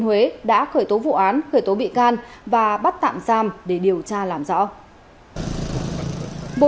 huế đã khởi tố vụ án khởi tố bị can và bắt tạm giam để điều tra làm rõ